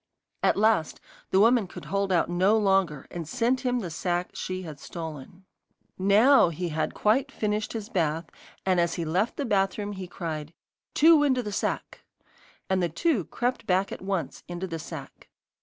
At last the woman could hold out no longer, and sent him the sack she had stolen. NOW he had quite finished his bath, and as he left the bathroom he cried: 'Two into the sack.' And the two crept back at once into the sack.